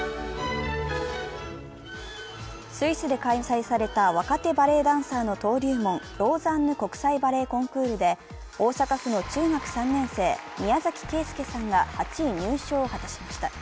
スイスで開催された若手バレエダンサーの登竜門、ローザンヌ国際バレエコンクールで大阪府の中学３年生、宮崎圭介さんが８位入賞を果たしました。